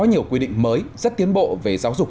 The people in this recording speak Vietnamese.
nhiều quy định mới rất tiến bộ về giáo dục